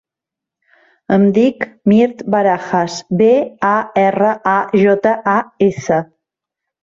Em dic Mirt Barajas: be, a, erra, a, jota, a, essa.